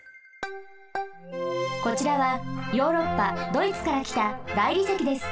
こちらはヨーロッパドイツからきた大理石です。